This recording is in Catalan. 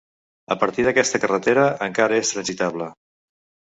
A partir d'aquesta carretera encara és transitable.